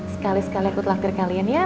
sekali sekali aku telah kirik kalian ya